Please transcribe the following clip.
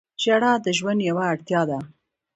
• ژړا د ژوند یوه اړتیا ده.